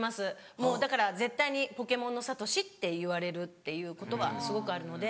もうだから絶対に『ポケモン』のサトシっていわれるっていうことはすごくあるので。